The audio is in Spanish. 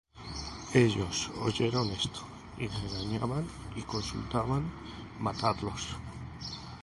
Ellos, oyendo esto, regañaban, y consultaban matarlos.